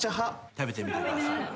食べてみてください。